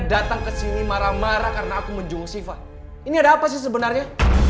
datang ke sini marah marah karena aku menjung siva ini ada apa sih sebenarnya